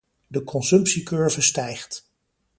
De consumptiecurve stijgt.